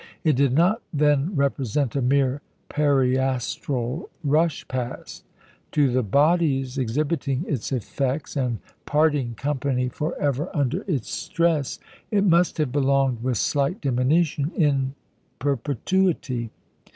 It did not then represent a mere periastral rush past. To the bodies exhibiting its effects, and parting company for ever under its stress, it must have belonged, with slight diminution, in perpetuity.